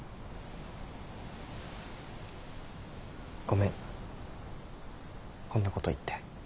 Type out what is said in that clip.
ごめんこんなこと言って。